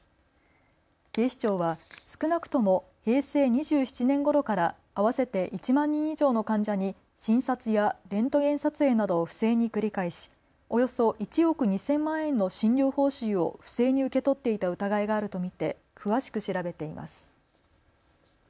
警視庁は少なくとも平成２７年ごろから合わせて１万人以上の患者に診察やレントゲン撮影などを不正に繰り返しおよそ１億２０００万円の診療報酬を不正に受け取っていた疑いがあると見て詳しく調べています。